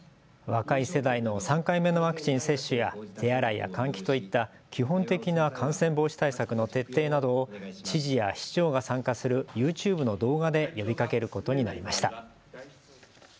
若い世代の３回目のワクチン接種や手洗いや換気といった基本的な感染防止対策の徹底などを知事や市長が参加するＹｏｕＴｕｂｅの動画で呼びかけることになりました。